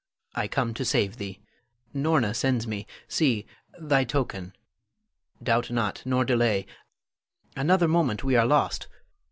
I come to save thee. Norna sends me, see, thy token; doubt not, nor delay; another moment, we are lost.